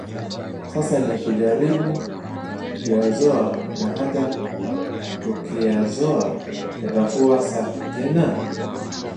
Sasa ni kujaribu kuyazoa na hata tukiyazoa, yatakuwa safi tena?